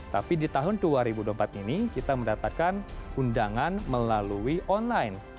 tapi di tahun dua ribu dua puluh empat ini kita mendapatkan undangan melalui online